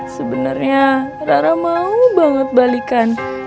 sebenarnya rara mau banget balikan